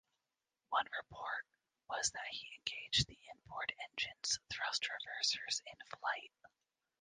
One report was that he engaged the inboard engines' thrust-reversers in flight.